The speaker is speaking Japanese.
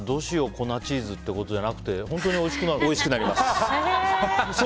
粉チーズってことじゃなくておいしくなります。